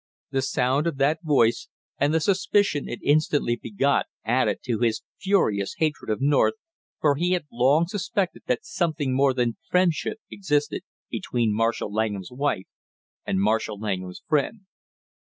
The sound of that voice and the suspicion it instantly begot added to his furious hatred of North, for he had long suspected that something more than friendship existed between Marshall Langham's wife and Marshall Langham's friend.